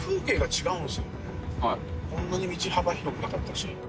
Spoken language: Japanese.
こんなに道幅広くなかったし。